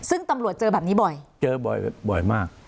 ซึ่งตำรวจเจอแบบนี้บ่อยเจอบ่อยบ่อยมาก